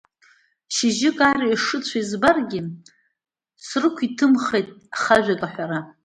Шьыжьык арҩаш шыцәоу избаргьы, срықәиҭымхеит хажәак аҳәара.